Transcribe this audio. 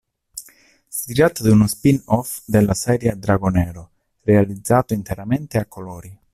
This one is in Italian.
Si tratta di uno spin off della serie "Dragonero" realizzato interamente a colori.